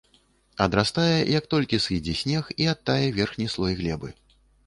Адрастае, як толькі сыдзе снег і адтае верхні слой глебы.